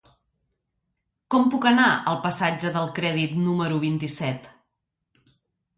Com puc anar al passatge del Crèdit número vint-i-set?